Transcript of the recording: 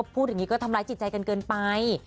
พูดอย่างนี้ก็ทำร้ายจิตใจกันเกินไป